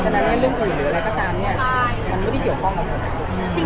ฉะนั้นเรื่องอื่นหรืออะไรก็ตามเนี่ยมันไม่ได้เกี่ยวข้องกับผม